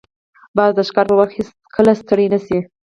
باز د ښکار پر وخت هیڅکله ستړی نه شي